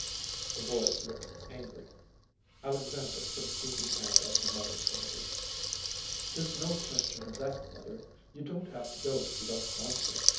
The boys looked angry. Alexandra put a soothing hand on her mother's shoulder. "There's no question of that, mother. You don't have to go if you don't want to.